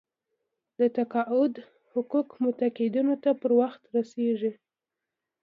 د تقاعد حقوق متقاعدینو ته په وخت رسیږي.